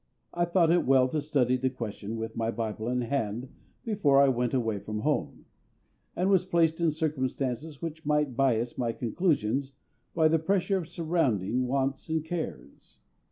I thought it well to study the question with my Bible in hand before I went away from home, and was placed in circumstances which might bias my conclusions by the pressure of surrounding wants and cares.